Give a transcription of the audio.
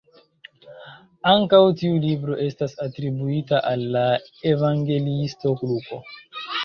Ankaŭ tiu libro estas atribuita al la evangeliisto Luko.